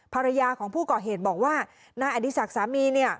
ภรรยาของผู้ก่อเหตุบอกว่านายอดีศักดิ์สามีเนี่ย